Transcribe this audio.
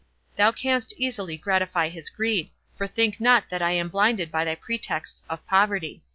Thou canst easily gratify his greed; for think not that I am blinded by thy pretexts of poverty.